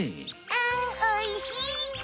あんおいしい。